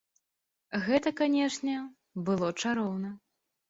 Гэта, канешне, было чароўна!